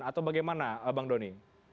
atau bagaimana bang doni